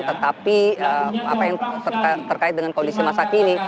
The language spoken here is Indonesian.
tetapi apa yang terkait dengan kondisi masa kini